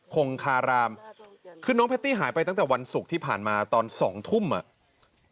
คงคารามคือน้องแพตตี้หายไปตั้งแต่วันศุกร์ที่ผ่านมาตอนสองทุ่มอ่ะ